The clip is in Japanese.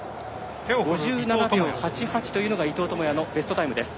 ５７秒８８というのが伊藤智也のベストタイムです。